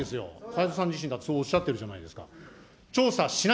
斎藤さん自身だってそうおっしゃってるじゃないですか。